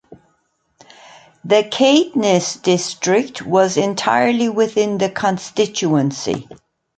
The Caithness district was entirely within the constituency.